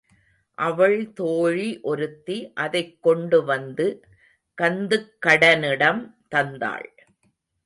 அவள் தோழி ஒருத்தி அதைக் கொண்டுவந்து கந்துக்கடனிடம் தந்தாள்.